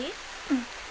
うん。